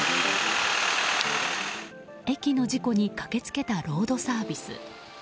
駅の事故に駆け付けたロードサービス。